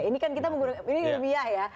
ini kan kita menggunakan ini lebih ya ya